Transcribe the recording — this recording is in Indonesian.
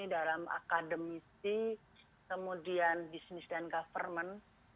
dalam akademisi kemudian business and government